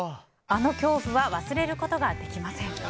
あの恐怖は忘れることができません。